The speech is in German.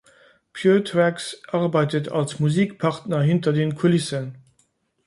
Puretracks arbeitet als Musikpartner hinter den Kulissen.